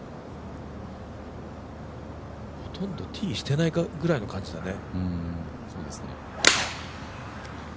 ほとんどティーしてないかくらいの感じだね。